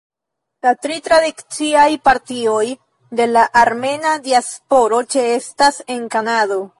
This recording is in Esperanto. La tri tradiciaj partioj de la armena diasporo ĉeestas en Kanado.